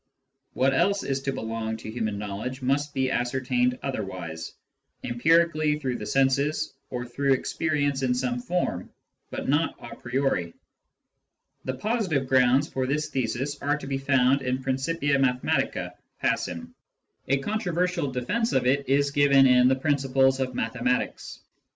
What else is to belong to human knowledge must be ascertained other wise — empirically, through the senses or through experience in some form, but not a priori. The positive grounds for this thesis are to be found in Principia Mathematica, passim ; a controversial defence of it is given in the Principles of Mathe matics.